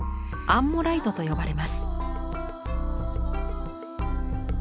「アンモライト」と呼ばれます。